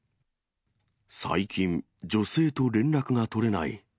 最近、女性と連絡が取れない。